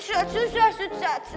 susah susah susah